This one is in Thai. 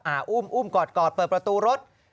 อ้าอุ้มกอดเปิดประตูรถ